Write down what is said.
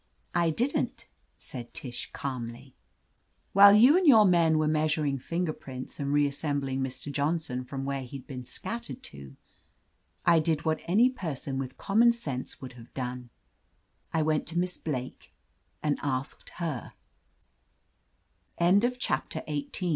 "I didn't," said Tish cahnly. "While you 190 OF LETITIA CARBERRY and your men were measuring finger prints and reassembling Mr. Johnson from where he'd been scattered to, I did what any person with common sense would have done, / went to Miss Blake and asked herT CHAPTE